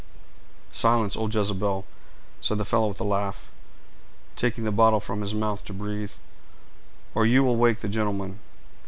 "Silence, old Jezebel!" said the fellow with a laugh, taking the bottle from his mouth to breathe, "or you will wake the gentleman.